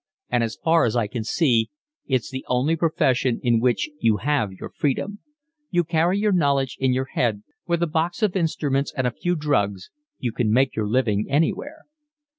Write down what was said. And as far as I can see, it's the only profession in which you have your freedom. You carry your knowledge in your head; with a box of instruments and a few drugs you can make your living anywhere."